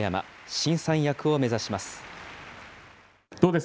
新三役を目指します。